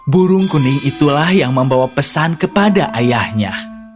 burung kuning itulah yang membawa pesan kepada ayahnya